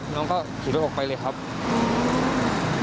น้องก็ขี่รถออกไปเลยครับอืม